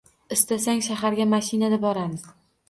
Istasang, shaharga mashinada boramiz.